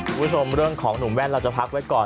คุณผู้ชมเรื่องของหนุ่มแว่นเราจะพักไว้ก่อน